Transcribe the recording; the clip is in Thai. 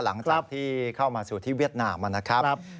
หลังจากที่เข้ามาสู่ที่เวียดนามนะครับ